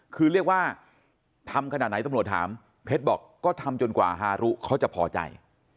คือเรียกว่าทำขนาดไหนตำรวจถามเพชรบอกก็ทำจนกว่าฮารุเขาจะพอใจ